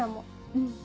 うん。